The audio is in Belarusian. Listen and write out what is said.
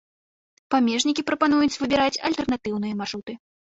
Памежнікі прапануюць выбіраць альтэрнатыўныя маршруты.